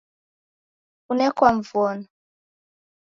Kunekwa Mvono